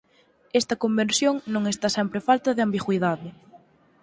Esta conversión non está sempre falta de ambigüidade.